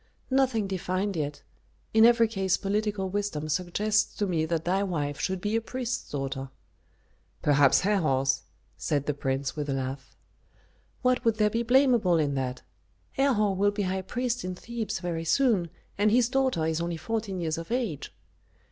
"Nothing defined yet. In every case political wisdom suggests to me that thy wife should be a priest's daughter." "Perhaps Herhor's?" said the prince, with a laugh. "What would there be blamable in that? Herhor will be high priest in Thebes very soon, and his daughter is only fourteen years of age."